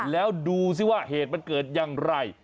แล้วดูสิว่าเหตุมันเกิดอย่างไร